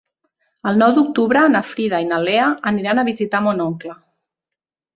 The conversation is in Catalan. El nou d'octubre na Frida i na Lea aniran a visitar mon oncle.